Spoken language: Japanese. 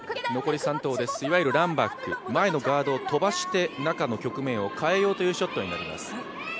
残り３投です、いわゆるランバック前のガードを飛ばして中の局面を変えようというショットになります。